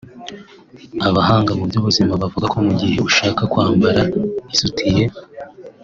Abahanga mu by’ubuzima bavuga ko mu gihe ushaka kwambara isutiye